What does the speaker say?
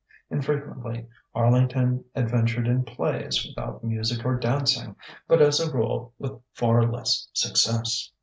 Infrequently Arlington adventured in plays without music or dancing, but as a rule with far less success.